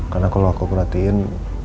karena kalau aku perhatiin